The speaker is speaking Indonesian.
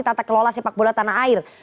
tata kelola sepak bola tanah air